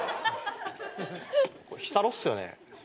ここ日サロっすよね？